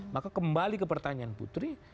maka kembali ke pertanyaan putri